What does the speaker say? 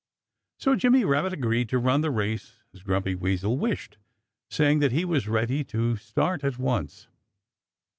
So Jimmy Rabbit agreed to run the race as Grumpy Weasel wished, saying that he was ready to start at once.